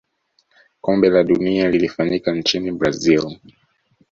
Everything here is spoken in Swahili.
kombe la dunia lilifanyika nchini brazil